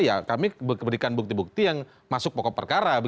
ya kami berikan bukti bukti yang masuk pokok perkara